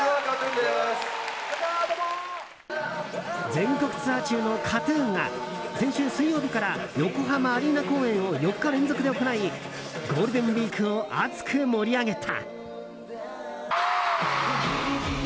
全国ツアー中のＫＡＴ‐ＴＵＮが先週水曜日から横浜アリーナ公演を４日連続で行いゴールデンウィークを熱く盛り上げた。